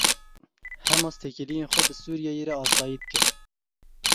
Hemas têkiliyên xwe bi Sûriyeyê re asayî dike.